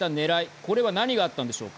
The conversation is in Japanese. これは何があったんでしょうか。